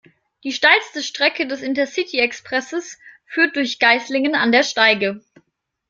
Die steilste Strecke des Intercity-Expresses führt durch Geislingen an der Steige.